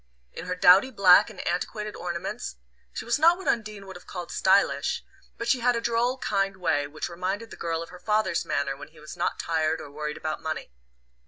In her dowdy black and antiquated ornaments she was not what Undine would have called "stylish"; but she had a droll kind way which reminded the girl of her father's manner when he was not tired or worried about money.